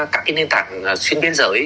các cái nền tảng xuyên biên giới